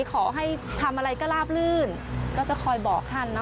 ขอให้ทำอะไรก็ลาบลื่นก็จะคอยบอกท่านนะ